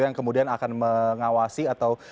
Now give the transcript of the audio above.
yang kemudian akan mengawasi atau